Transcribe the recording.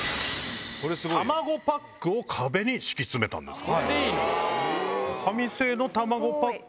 卵パックを壁に敷き詰めたんです。